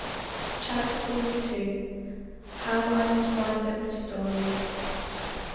'" CHAPTER FORTY TWO. HOW I MUST WIND UP THE STORY.